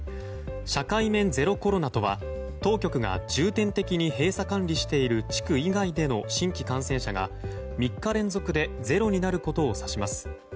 社会面ゼロコロナとは当局が重点的に閉鎖管理している地区以外での新規感染者が３日連続で０になることを指します。